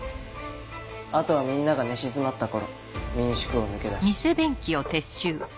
あとはみんなが寝静まった頃民宿を抜け出し。